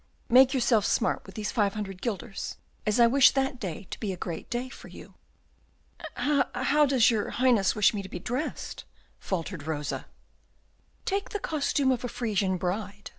Make yourself smart with these five hundred guilders, as I wish that day to be a great day for you." "How does your Highness wish me to be dressed?" faltered Rosa. "Take the costume of a Frisian bride."